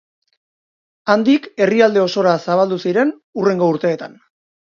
Handik herrialde osora zabaldu ziren hurrengo urteetan.